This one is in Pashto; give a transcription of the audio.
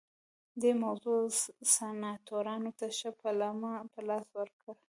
دې موضوع سناتورانو ته ښه پلمه په لاس ورکړه